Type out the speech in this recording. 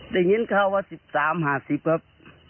จริงจริงเขา๑๓๕๐บาทครับ